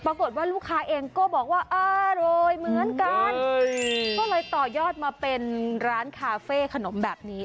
ปรากฏว่าลูกค้าเองก็บอกว่าอร่อยเหมือนกันก็เลยต่อยอดมาเป็นร้านคาเฟ่ขนมแบบนี้